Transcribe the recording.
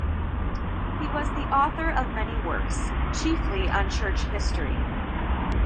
He was the author of many works, chiefly on church history.